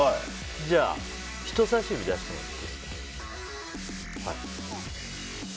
じゃあ人さし指出してもらっていいですか。